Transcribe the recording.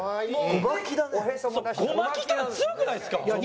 ゴマキ感強くないですか？